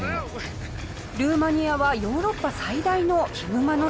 ルーマニアはヨーロッパ最大のヒグマの生息地。